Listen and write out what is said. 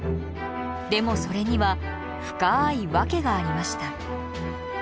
でもそれには深い訳がありました。